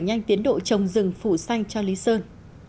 nhanh tiến độ trồng rừng phủ xanh cho lý sơn